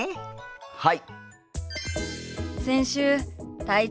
はい！